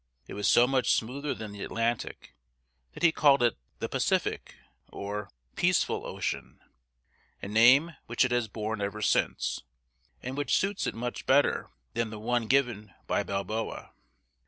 It was so much smoother than the Atlantic that he called it the Pacific, or "Peaceful" Ocean, a name which it has borne ever since, and which suits it much better than the one given by Balboa.